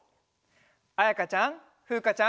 あやかちゃんふうかちゃん。